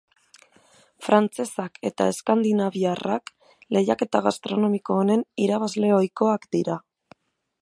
Frantsesak eta eskandinaviarrak lehiaketa gastronomiko honen irabazle ohikoak dira.